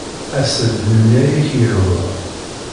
As-d melmi ay ak-yehwa.